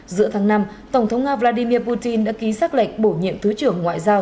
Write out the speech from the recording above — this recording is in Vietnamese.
giữa tháng năm tổng thống nga vladimir putin đã ký xác lệnh bổ nhiệm thứ trưởng ngoại giao